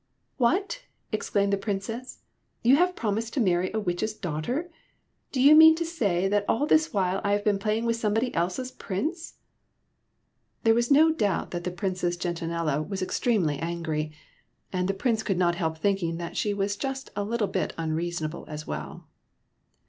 '' What !" exclaimed the Princess; ''you have promised to rnarry a witch's daughter? Do you mean to say that all this while I have been playing with somebody else's Prince?" There was no doubt that the Princess Gen SOMEBODY ELSE^S PRINCE 83 tianella was extremely angry ; and the Prince could not help thinking that she was just a little bit unreasonable as well.